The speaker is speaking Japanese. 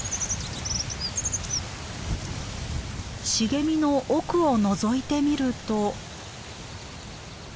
茂みの奥をのぞいてみると。